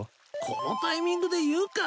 このタイミングで言うか？